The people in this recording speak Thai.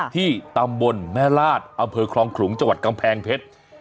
ที่ตำบลแม่ลาดอำเภอคลองขลุงจังหวัดกำแพงเพชร